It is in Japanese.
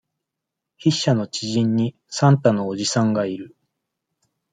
筆者の知人に、サンタのおじさんがいる。